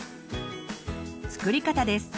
作り方です。